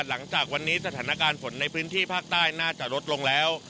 หลังจากวันนี้สถานการณ์ฝนในพื้นที่ภาคใต้น่าจะลดลงแล้ว